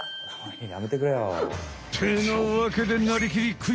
やめてくれよ。ってなわけで「なりきり！クイズ」。